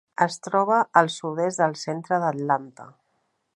Es troba al sud-est del centre d'Atlanta.